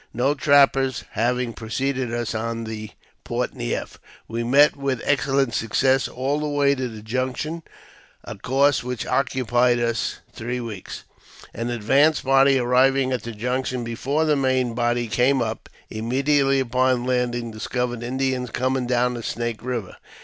No trappers having preceded us on the Port Neif, we met with excellent success all the way to the junction, a course whicl occupied us three weeks. An advanced party arriving at the junction before the main body came up, immediately upon land j ing discovered Indians coming down the Snake Eiver.